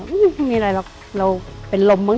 ไม่มีอะไรหรอกเราเป็นลมมั้